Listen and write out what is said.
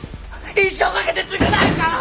一生懸けて償うから！